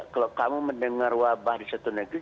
kalau kamu mendengar wabah di satu negeri